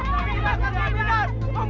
terima kasih tuhan